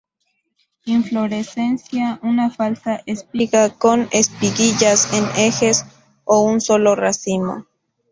Inflorescencia una falsa espiga, con espiguillas en ejes, o un solo racimo.